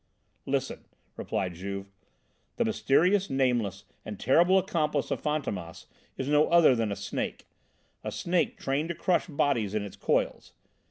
"Listen," replied Juve. "The mysterious, nameless and terrible accomplice of Fantômas, is no other than a snake! A snake trained to crush bodies in its coils.